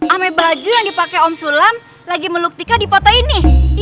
ame baju yang dipake om sulam lagi meluk tika di foto ini